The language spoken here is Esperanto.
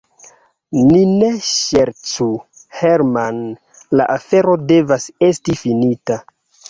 Ni ne ŝercu, Herman, la afero devas esti finita.